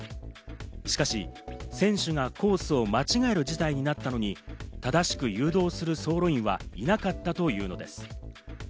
しかし選手がコースを間違える事態になったのに正しく誘導する走路員はいなかったというのです。